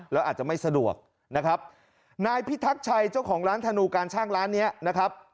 แล้วอาจจะไม่สะดวกนะครับนายพิทักชัยเจ้าของร้านธนูการช่างร้านเนี้ยนะครับ